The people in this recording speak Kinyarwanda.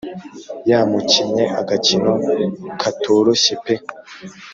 Yamukinnye agakino katoroshye pe